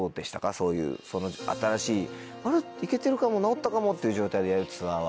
そういうその新しいあら？いけてるかも治ったかもっていう状態でやるツアーは。